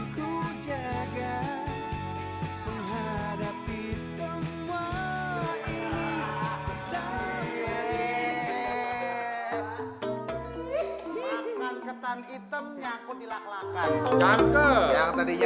kok main rambut sih